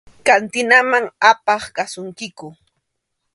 Kantinaman apaq kasunkiku.